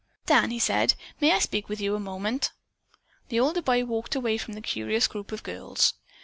"Dan," he said, "may I speak with you a moment?" The older boy walked away from the curious group of girls.